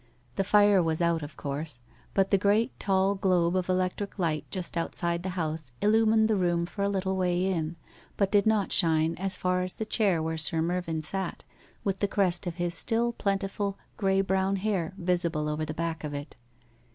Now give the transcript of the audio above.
The fire was out, of course, but the great tall globe of electric light just outside the house illumined the room for a little way in, but did not shine as far as the chair where Sir Mervyn sat, with the crest of his still plentiful grey brown hair visible over the back of it.